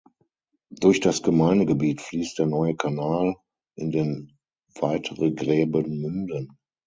Durch das Gemeindegebiet fließt der Neue Kanal, in den weitere Gräben münden.